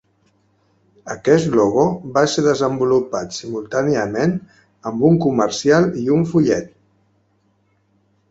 Aquest logo va ser desenvolupat simultàniament amb un comercial i un fullet.